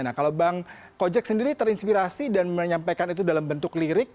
nah kalau bang kojek sendiri terinspirasi dan menyampaikan itu dalam bentuk lirik